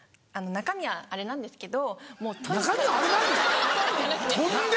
「中身はあれなんですけど」